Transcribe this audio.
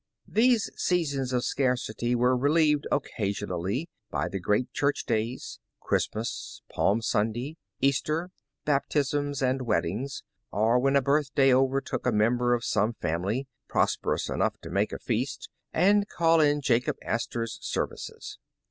These seasons of scarcity were relieved, occasionally, by the great church days — Christmas, Palm Sunday, Easter, bap tisms and weddings, — or when a birthday overtook a member of some family, prosperous enough to make a feast, and call in Jacob Astor's services.